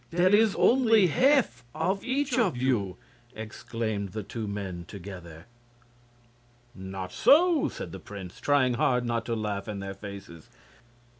There is only half of each of you!" exclaimed the two men, together. "Not so," said the prince, trying hard not to laugh in their faces.